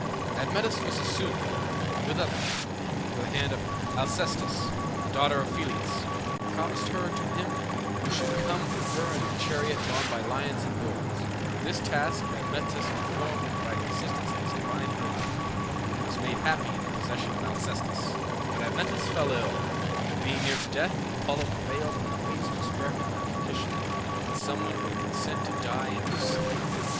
Admetus was a suitor, with others, for the hand of Alcestis, the daughter of Pelias, who promised her to him who should come for her in a chariot drawn by lions and boars. This task Admetus performed by the assistance of his divine herdsman, and was made happy in the possession of Alcestis. But Admetus fell ill, and being near to death, Apollo prevailed on the Fates to spare him on condition that some one would consent to die in his stead.